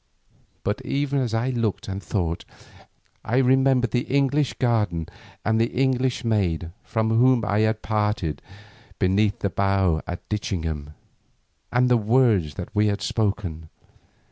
But even as I looked and thought, I remembered the English garden and the English maid from whom I had parted beneath the beech at Ditchingham, and the words that we had spoken then.